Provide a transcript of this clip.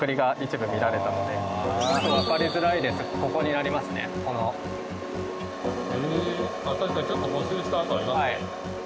あっ確かにちょっと補修した跡ありますね。